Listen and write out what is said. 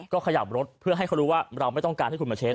ก็ขยับรถเพื่อให้เขารู้ว่าเราไม่ต้องการให้คุณมาเช็